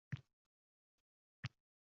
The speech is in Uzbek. Namunali maktab kapital taʼmirdan chiqarildi